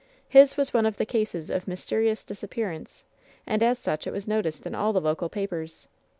His was one of the cases of ^Mysterious Disappearance,' and as such it was noticed in all the local papers.